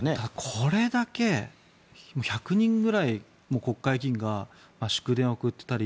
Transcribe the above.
これだけ１００人くらい国会が祝電を送っていたり